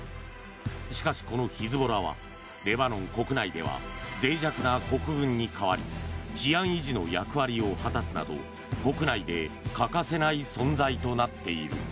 しかし、このヒズボラはレバノン国内では脆弱な国軍に代わり治安維持の役割を果たすなど国内で欠かせない存在となっている。